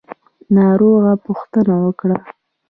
ناروغه پوښتنه وکړئ